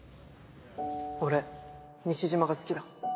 俺西島が好きだ。